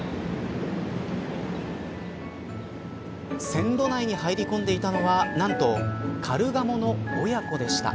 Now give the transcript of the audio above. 線路内に入り込んでいたのは何とカルガモの親子でした。